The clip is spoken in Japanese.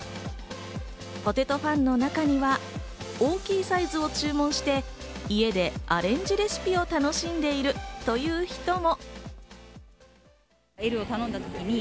ポテトファンの中には大きいサイズを注文して、家でアレンジレシピを楽しんでいるという人も。